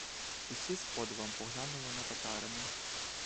Усі з подивом поглянули на татарина.